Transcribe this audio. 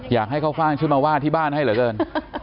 อยากให้ข้าวฟ่างช่วยมาว่าที่บ้านให้เหลือเกิน